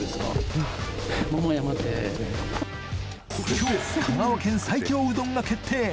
今日香川県最強うどんが決定